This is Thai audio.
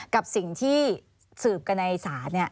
กับสิ่งที่สืบกันในศาล